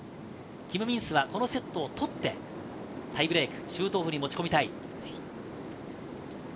キム・ミンスがこのセットを取って、タイブレーク、シュートオフに持ち込みたい。